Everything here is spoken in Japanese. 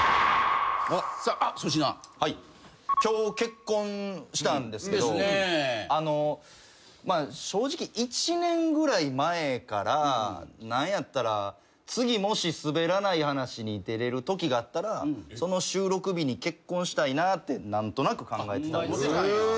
今日結婚したんですけど正直１年ぐらい前から何やったら次もし『すべらない話』に出れるときがあったらその収録日に結婚したいなって何となく考えてたんです。